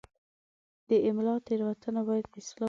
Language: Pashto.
د املا تېروتنه باید اصلاح شي.